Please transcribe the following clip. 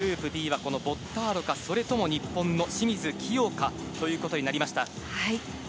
決勝進出、グループＢはこのボッターロか、それとも日本の清水希容かということになりました。